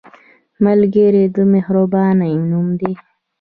ملګری د مهربانۍ نوم دی